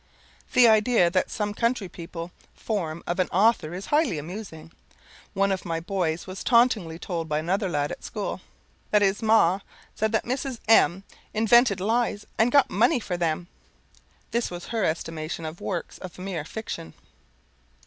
The idea that some country people form of an author is highly amusing. One of my boys was tauntingly told by another lad at school, "that his ma' said that Mrs. M invented lies, and got money for them." This was her estimation of works of mere fiction.